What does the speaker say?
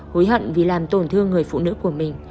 hối hận vì làm tổn thương người phụ nữ của mình